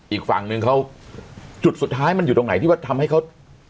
อีกฝั่งนึงเขาจุดสุดท้ายมันอยู่ตรงไหนที่ว่าทำให้เขา